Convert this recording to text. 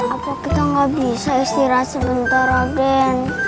apa kita gak bisa istirahat sebentar raden